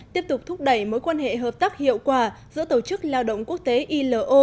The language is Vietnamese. tiếp tục thúc đẩy mối quan hệ hợp tác hiệu quả giữa tổ chức lao động quốc tế ilo